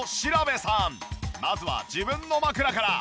まずは自分の枕から。